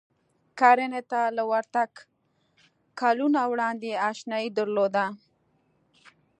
کرنې ته له ورتګ کلونه وړاندې اشنايي درلوده.